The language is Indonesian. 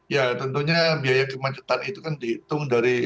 ya tentunya biaya kemacetan itu kan dihitung dari